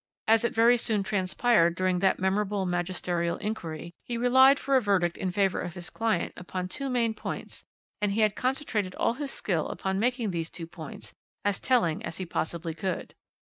As it very soon transpired during that memorable magisterial inquiry, he relied for a verdict in favour of his client upon two main points, and he had concentrated all his skill upon making these two points as telling as he possibly could.